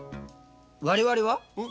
「我々は」ん？